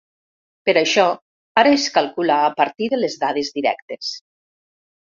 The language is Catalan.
Per això, ara es calcula a partir de les dades directes.